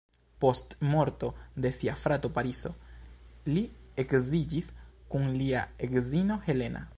Post morto de sia frato Pariso li edziĝis kun lia edzino Helena.